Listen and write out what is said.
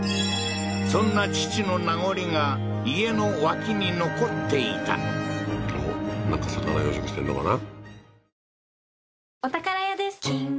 そんな父の名残が家の脇に残っていたおっなんか魚養殖してんのかな？